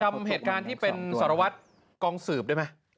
จำเหตุการณ์ที่เป็นสารวัตรกองสืบได้ไหม